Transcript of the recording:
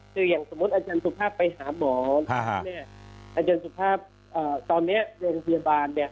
คืออย่างสมมติอาจารย์สุขภาพไปหาหมอเนี่ยอาจารย์สุขภาพตอนเนี่ยเรียงพยาบาลเนี่ย